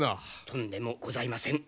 とんでもございません。